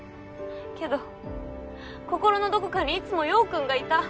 けど心のどこかにいつも陽君がいた。